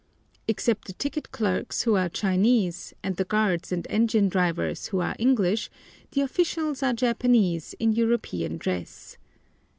Except the ticket clerks, who are Chinese, and the guards and engine drivers, who are English, the officials are Japanese in European dress.